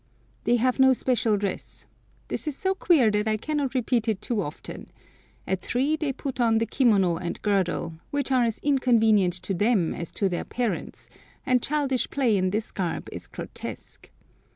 They have no special dress. This is so queer that I cannot repeat it too often. At three they put on the kimono and girdle, which are as inconvenient to them as to their parents, and childish play in this garb is grotesque.